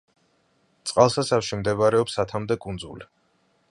წყალსაცავში მდებარეობს ათამდე კუნძული.